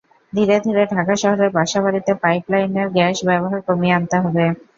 ধীরে ধীরে ঢাকা শহরের বাসাবাড়িতে পাইপ লাইনের গ্যাসের ব্যবহার কমিয়ে আনতে হবে।